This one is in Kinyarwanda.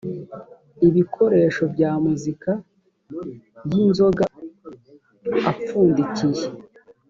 ibikoresho bya muzika y inzoga apfundikiye